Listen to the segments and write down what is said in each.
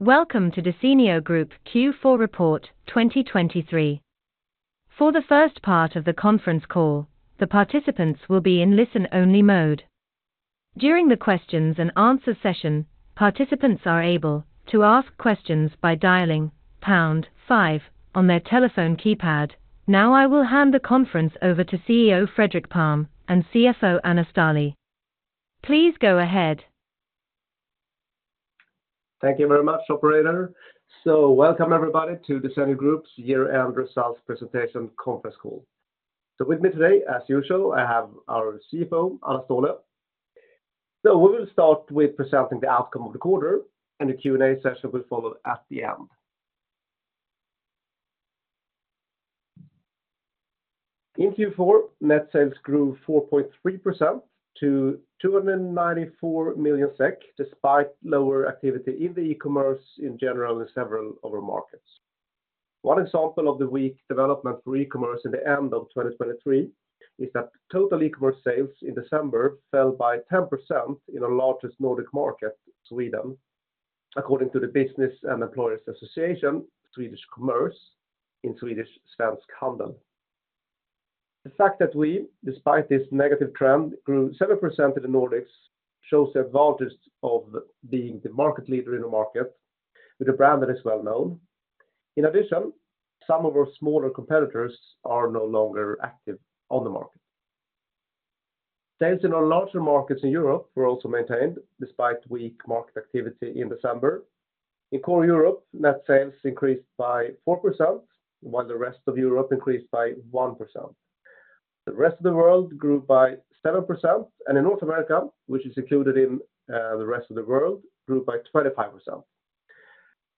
Welcome to Desenio Group Q4 Report 2023. For the first part of the conference call, the participants will be in listen-only mode. During the questions-and-answers session, participants are able to ask questions by dialing pound five on their telephone keypad. Now I will hand the conference over to CEO Fredrik Palm and CFO Anna Ståhle. Please go ahead. Thank you very much, operator. Welcome everybody to Desenio Group's Year-End Results Presentation Conference Call. With me today, as usual, I have our CFO Anna Ståhle. We will start with presenting the outcome of the quarter, and the Q&A session will follow at the end. In Q4, net sales grew 4.3% to 294 million SEK despite lower activity in the e-commerce in general in several of our markets. One example of the weak development for e-commerce in the end of 2023 is that total e-commerce sales in December fell by 10% in our largest Nordic market, Sweden, according to the Business and Employers Association, Swedish Commerce, in Swedish Svensk Handel. The fact that we, despite this negative trend, grew 7% in the Nordics shows the advantage of being the market leader in our market with a brand that is well known. In addition, some of our smaller competitors are no longer active on the market. Sales in our larger markets in Europe were also maintained despite weak market activity in December. In Core Europe, net sales increased by 4%, while the Rest of Europe increased by 1%. The Rest of the world grew by 7%, and in North America, which is included in the Rest of the world, grew by 25%.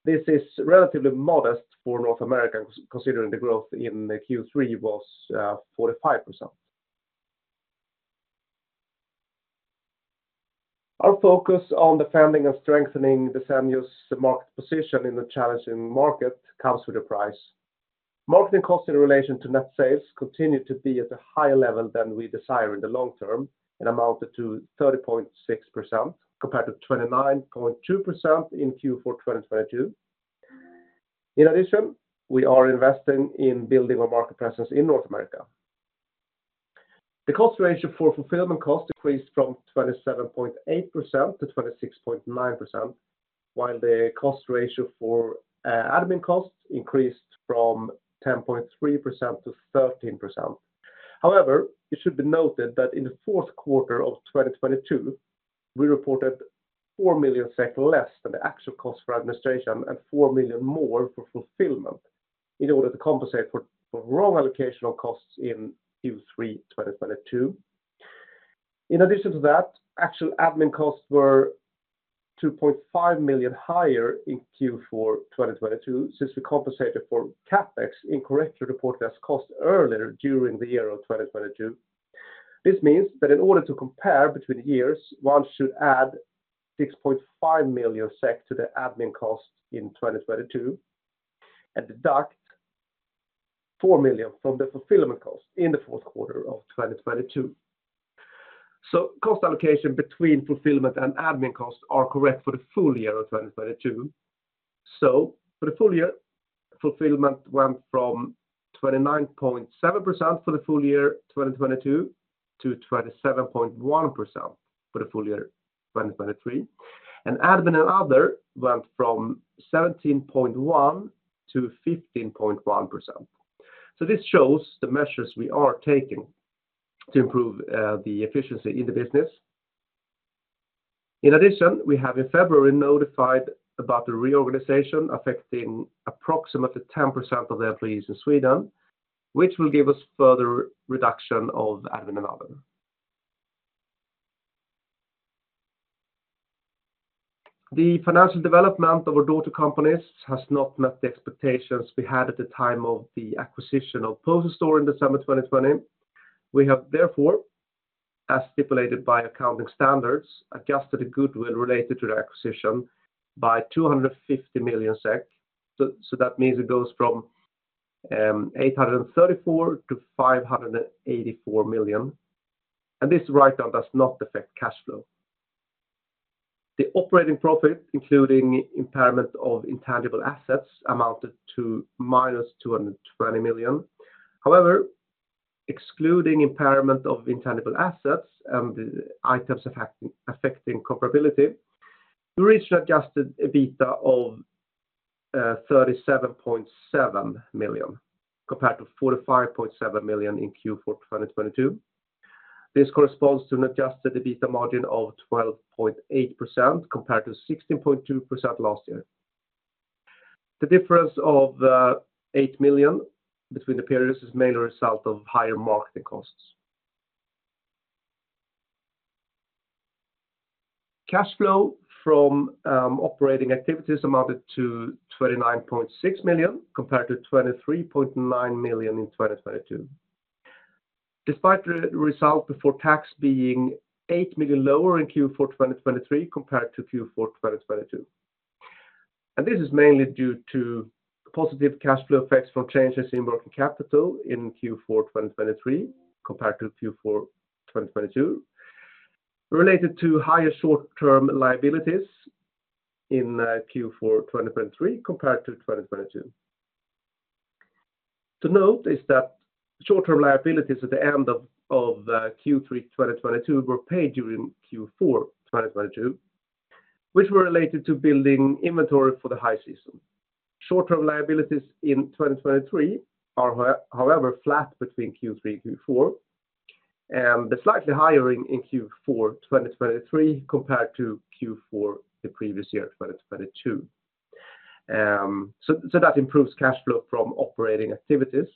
This is relatively modest for North America considering the growth in Q3 was 45%. Our focus on defending and strengthening Desenio's market position in the challenging market comes with a price. Marketing costs in relation to net sales continue to be at a higher level than we desire in the long term and amounted to 30.6% compared to 29.2% in Q4 2022. In addition, we are investing in building our market presence in North America. The cost ratio for fulfillment costs increased from 27.8% to 26.9%, while the cost ratio for admin costs increased from 10.3% to 13%. However, it should be noted that in the fourth quarter of 2022, we reported 4 million SEK less than the actual cost for administration and 4 million more for fulfillment in order to compensate for wrong allocation of costs in Q3 2022. In addition to that, actual admin costs were 2.5 million higher in Q4 2022 since we compensated for CapEx incorrectly reported as cost earlier during the year of 2022. This means that in order to compare between years, one should add 6.5 million SEK to the admin cost in 2022 and deduct 4 million from the fulfillment cost in the fourth quarter of 2022. So cost allocation between fulfillment and admin costs are correct for the full year of 2022. So for the full year, fulfillment went from 29.7% for the full year 2022 to 27.1% for the full year 2023. Admin and other went from 17.1% to 15.1%. This shows the measures we are taking to improve the efficiency in the business. In addition, we have in February notified about a reorganization affecting approximately 10% of the employees in Sweden, which will give us further reduction of admin and other. The financial development of our daughter companies has not met the expectations we had at the time of the acquisition of Poster Store in December 2020. We have, therefore, as stipulated by accounting standards, adjusted the goodwill related to the acquisition by 250 million SEK. So that means it goes from 834 million to 584 million. And this write-down does not affect cash flow. The operating profit, including impairment of intangible assets, amounted to -220 million. However, excluding impairment of intangible assets and the items affecting comparability, we reached an adjusted EBITDA of 37.7 million compared to 45.7 million in Q4 2022. This corresponds to an adjusted EBITDA margin of 12.8% compared to 16.2% last year. The difference of 8 million between the periods is mainly a result of higher marketing costs. Cash flow from operating activities amounted to 29.6 million compared to 23.9 million in 2022. Despite the result before tax being 8 million lower in Q4 2023 compared to Q4 2022. This is mainly due to positive cash flow effects from changes in working capital in Q4 2023 compared to Q4 2022. Related to higher short-term liabilities in Q4 2023 compared to 2022. To note is that short-term liabilities at the end of Q3 2022 were paid during Q4 2022, which were related to building inventory for the high season. Short-term liabilities in 2023 are, however, flat between Q3 and Q4. And they're slightly higher in Q4 2023 compared to Q4 the previous year, 2022. That improves cash flow from operating activities.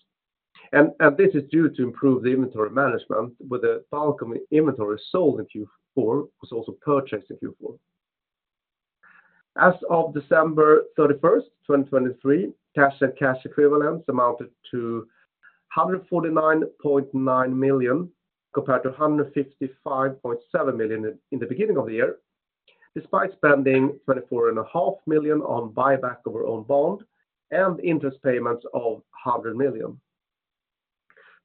This is due to improved inventory management, where the bulk of inventory sold in Q4 was also purchased in Q4. As of December 31st, 2023, cash and cash equivalents amounted to 149.9 million compared to 155.7 million in the beginning of the year, despite spending 24.5 million on buyback of our own bond and interest payments of 100 million.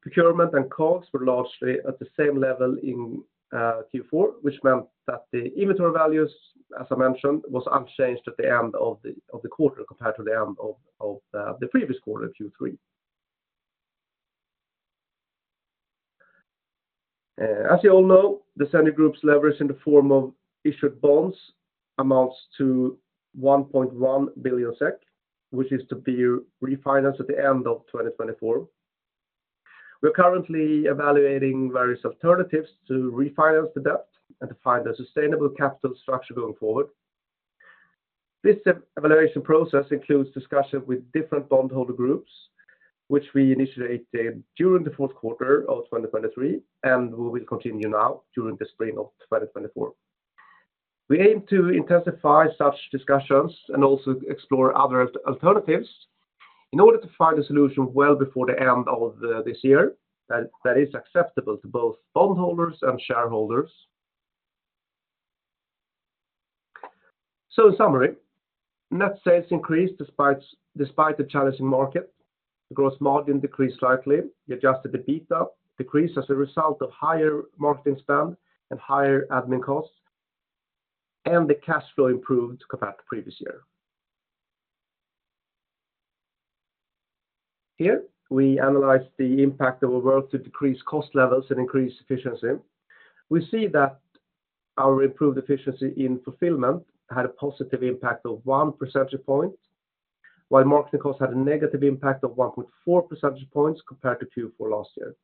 Procurement and COGS were largely at the same level in Q4, which meant that the inventory values, as I mentioned, were unchanged at the end of the quarter compared to the end of the previous quarter, Q3. As you all know, Desenio Group's leverage in the form of issued bonds amounts to 1.1 billion SEK, which is to be refinanced at the end of 2024. We're currently evaluating various alternatives to refinance the debt and to find a sustainable capital structure going forward. This evaluation process includes discussion with different bondholder groups, which we initiated during the fourth quarter of 2023, and we will continue now during the spring of 2024. We aim to intensify such discussions and also explore other alternatives in order to find a solution well before the end of this year that is acceptable to both bondholders and shareholders. So in summary, net sales increased despite the challenging market. The gross margin decreased slightly. The adjusted EBITDA decreased as a result of higher marketing spend and higher admin costs. And the cash flow improved compared to the previous year. Here, we analyze the impact of our work to decrease cost levels and increase efficiency. We see that our improved efficiency in fulfillment had a positive impact of one percentage point, while marketing costs had a negative impact of 1.4 percentage points compared to Q4 last year.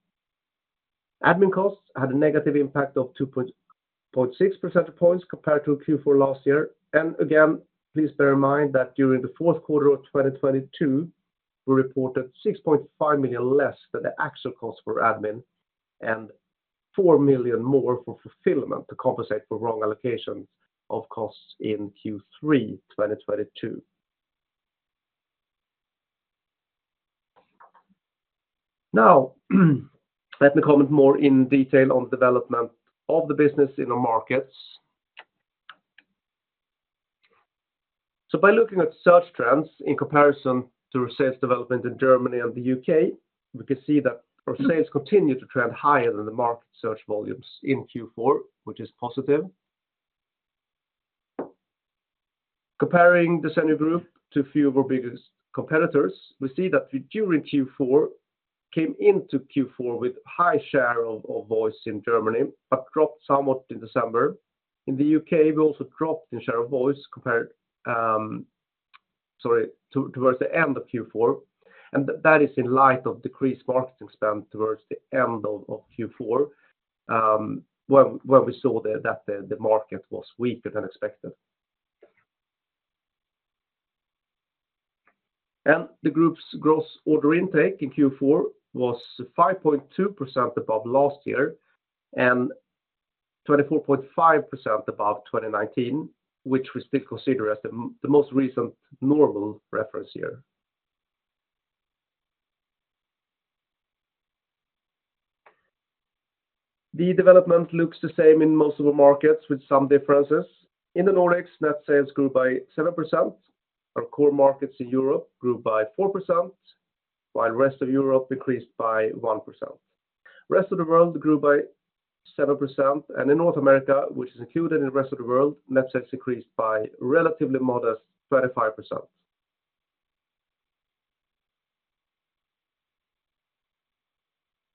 Admin costs had a negative impact of 2.6 percentage points compared to Q4 last year. And again, please bear in mind that during the fourth quarter of 2022, we reported 6.5 million less than the actual costs for admin and 4 million more for fulfillment to compensate for wrong allocations of costs in Q3 2022. Now, let me comment more in detail on the development of the business in our markets. So by looking at search trends in comparison to sales development in Germany and the UK, we can see that our sales continue to trend higher than the market search volumes in Q4, which is positive. Comparing Desenio Group to a few of our biggest competitors, we see that during Q4 came into Q4 with a high share of voice in Germany, but dropped somewhat in December. In the UK, we also dropped in share of voice towards the end of Q4. And that is in light of decreased marketing spend towards the end of Q4 when we saw that the market was weaker than expected. And the group's gross order intake in Q4 was 5.2% above last year and 24.5% above 2019, which we still consider as the most recent normal reference year. The development looks the same in most of our markets with some differences. In the Nordics, net sales grew by 7%. Our core markets in Europe grew by 4%, while the rest of Europe increased by 1%. The rest of the world grew by 7%. And in North America, which is included in the rest of the world, net sales increased by a relatively modest 25%.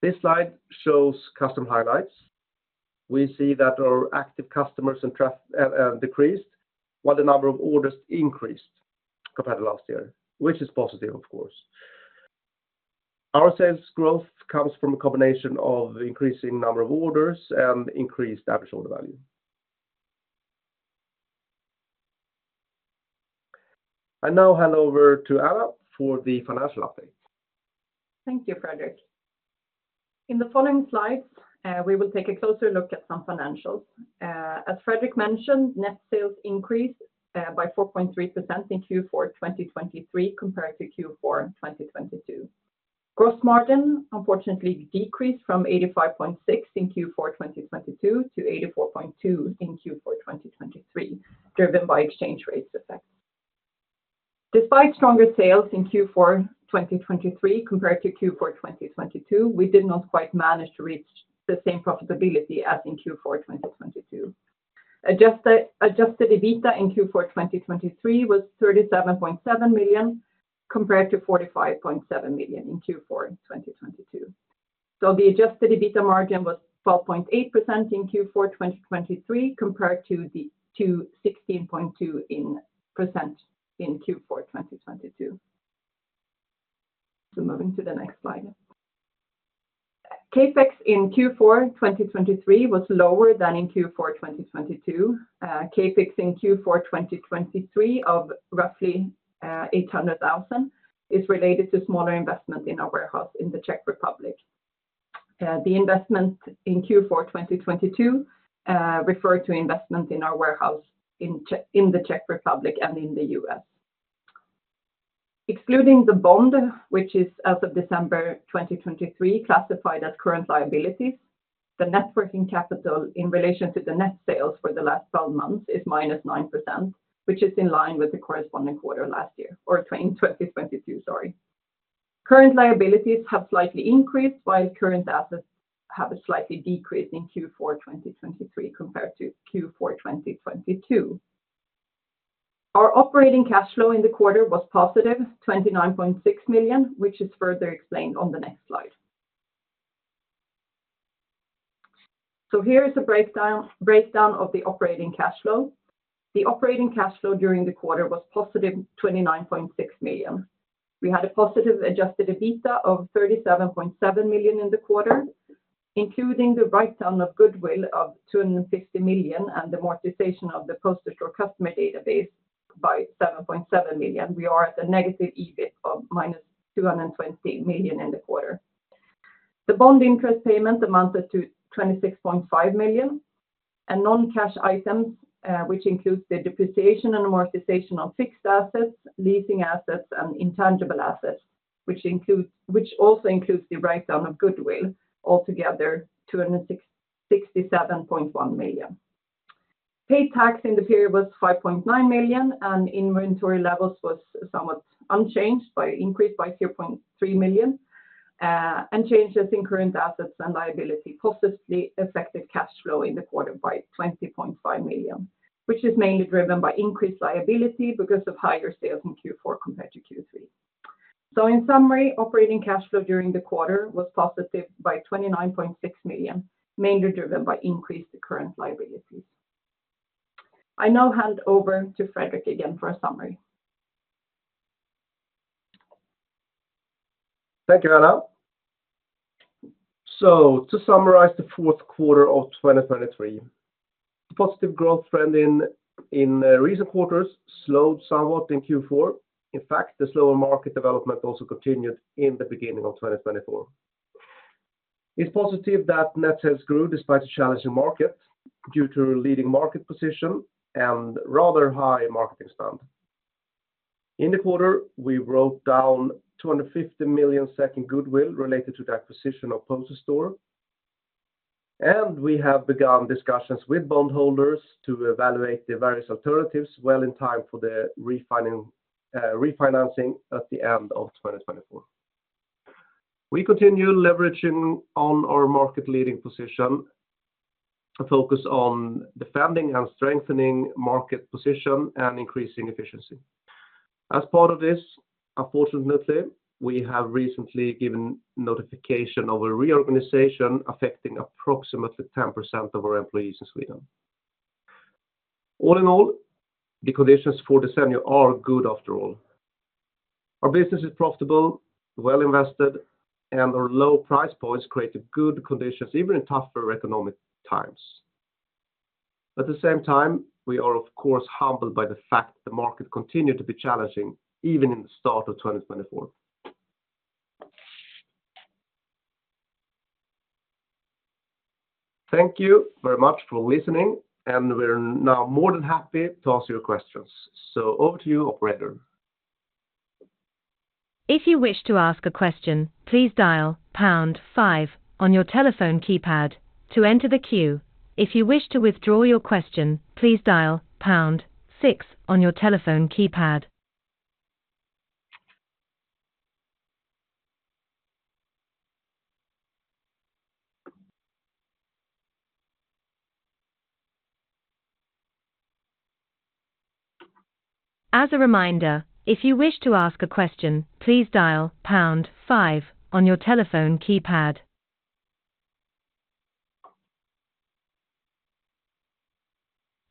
This slide shows customer highlights. We see that our active customers decreased while the number of orders increased compared to last year, which is positive, of course. Our sales growth comes from a combination of increasing number of orders and increased average order value. Now hand over to Anna for the financial update. Thank you, Fredrik. In the following slides, we will take a closer look at some financials. As Fredrik mentioned, net sales increased by 4.3% in Q4 2023 compared to Q4 2022. Gross margin, unfortunately, decreased from 85.6% in Q4 2022 to 84.2% in Q4 2023, driven by exchange rate effects. Despite stronger sales in Q4 2023 compared to Q4 2022, we did not quite manage to reach the same profitability as in Q4 2022. Adjusted EBITDA in Q4 2023 was 37.7 million compared to 45.7 million in Q4 2022. So the adjusted EBITDA margin was 12.8% in Q4 2023 compared to 16.2% in Q4 2022. So moving to the next slide. CapEx in Q4 2023 was lower than in Q4 2022. CapEx in Q4 2023 of roughly 800,000 is related to smaller investment in our warehouse in the Czech Republic. The investment in Q4 2022 referred to investment in our warehouse in the Czech Republic and in the US. Excluding the bond, which is, as of December 2023, classified as current liabilities, the net working capital in relation to the net sales for the last 12 months is -9%, which is in line with the corresponding quarter last year or 2022, sorry. Current liabilities have slightly increased, while current assets have slightly decreased in Q4 2023 compared to Q4 2022. Our operating cash flow in the quarter was positive 29.6 million, which is further explained on the next slide. So here is a breakdown of the operating cash flow. The operating cash flow during the quarter was positive 29.6 million. We had a positive Adjusted EBITDA of 37.7 million in the quarter, including the write-down of goodwill of 250 million and the amortization of the Poster Store customer database. By 7.7 million. We are at a negative EBIT of -220 million in the quarter. The bond interest payment amounted to 26.5 million. And non-cash items, which includes the depreciation and amortization of fixed assets, leasing assets, and intangible assets, which also includes the write-down of goodwill, altogether 267.1 million. Paid tax in the period was 5.9 million, and inventory levels were somewhat unchanged by an increase by 0.3 million. And changes in current assets and liability positively affected cash flow in the quarter by 20.5 million, which is mainly driven by increased liability because of higher sales in Q4 compared to Q3. So in summary, operating cash flow during the quarter was positive by 29.6 million, mainly driven by increased current liabilities. I now hand over to Fredrik again for a summary. Thank you, Anna. So to summarize the fourth quarter of 2023. The positive growth trend in recent quarters slowed somewhat in Q4. In fact, the slower market development also continued in the beginning of 2024. It's positive that net sales grew despite the challenging market due to leading market position and rather high marketing spend. In the quarter, we wrote down 250 million SEK goodwill related to the acquisition of Poster Store. And we have begun discussions with bondholders to evaluate the various alternatives well in time for the refinancing at the end of 2024. We continue leveraging on our market leading position, a focus on defending and strengthening market position and increasing efficiency. As part of this, unfortunately, we have recently given notification of a reorganization affecting approximately 10% of our employees in Sweden. All in all, the conditions for Desenio are good after all. Our business is profitable, well invested, and our low price points create good conditions even in tougher economic times. At the same time, we are, of course, humbled by the fact that the market continued to be challenging even in the start of 2024. Thank you very much for listening, and we're now more than happy to ask your questions. So over to you, operator. If you wish to ask a question, please dial pound five on your telephone keypad to enter the queue. If you wish to withdraw your question, please dial pound six hash on your telephone keypad. As a reminder, if you wish to ask a question, please dial pound five on your telephone keypad.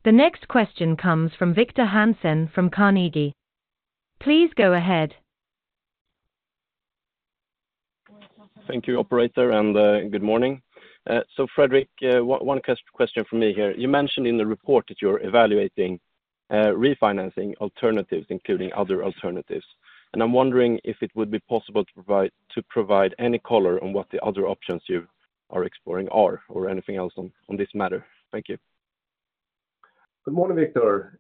The next question comes from Viktor Hansen Hansen from Carnegie. Please go ahead. Thank you, operator, and good morning. So Fredrik, one question from me here. You mentioned in the report that you're evaluating refinancing alternatives, including other alternatives. I'm wondering if it would be possible to provide any color on what the other options you are exploring are or anything else on this matter. Thank you. Good morning, Viktor.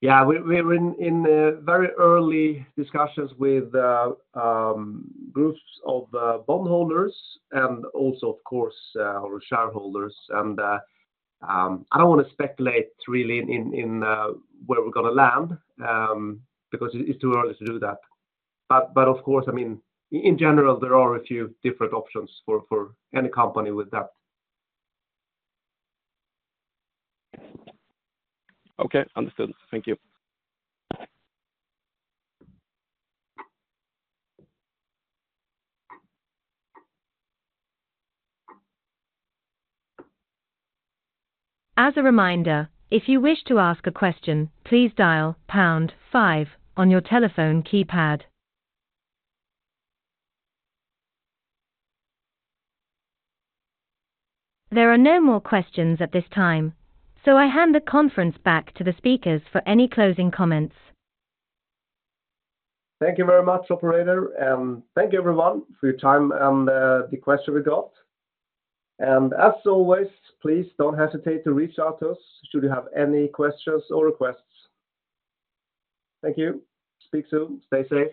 Yeah, we're in very early discussions with groups of bondholders and also, of course, our shareholders. And I don't want to speculate really in where we're going to land because it's too early to do that. But of course, I mean, in general, there are a few different options for any company with that. Okay, understood. Thank you. As a reminder, if you wish to ask a question, please dial #5 on your telephone keypad. There are no more questions at this time, so I hand the conference back to the speakers for any closing comments. Thank you very much, operator. Thank you, everyone, for your time and the questions we got. As always, please don't hesitate to reach out to us should you have any questions or requests. Thank you. Speak soon. Stay safe.